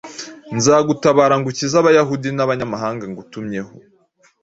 Nzagutabara ngukize Abayahudi n’abanyamahanga ngutumyeho